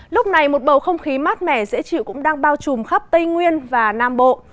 lúc này một bầu không khí mát mẻ dễ chịu cũng đang bao trùm khắp tây nguyên và nam bộ